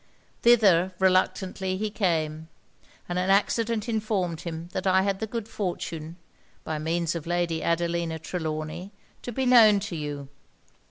Thither reluctantly he came; and an accident informed him that I had the good fortune, by means of Lady Adelina Trelawny, to be known to you.